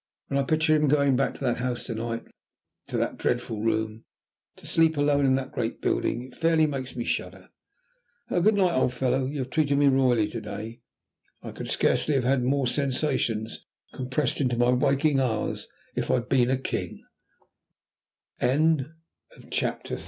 When I picture him going back to that house to night, to that dreadful room, to sleep alone in that great building, it fairly makes me shudder. Good night, old fellow. You have treated me royally to day; I could scarcely have had more sensations compressed into m